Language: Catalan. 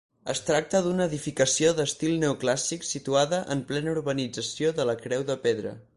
Es tracta d'una edificació d'estil neoclàssic situada en plena urbanització de la Creu de Pedra.